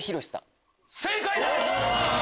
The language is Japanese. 正解です！